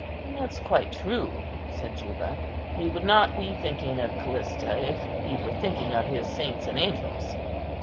"It's quite true," said Juba; "he would not be thinking of Callista, if he were thinking of his saints and angels."